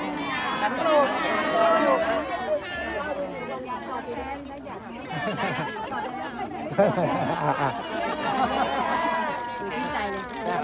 ฝากขออนุญาตมองกล้องด้านกลางเลยนะครับนึงสองสาม